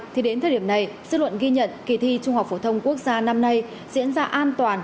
thì đến thời điểm này dư luận ghi nhận kỳ thi trung học phổ thông quốc gia năm nay diễn ra an toàn